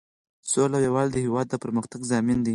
سوله او یووالی د هیواد د پرمختګ ضامن دی.